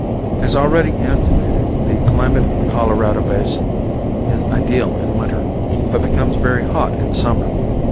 As already intimated the climate of the Colorado basin is ideal in winter, but becomes very hot in summer.